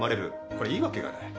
これいいわけがない。